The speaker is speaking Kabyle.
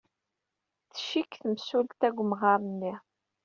Tcikk temsulta deg umɣar-nni.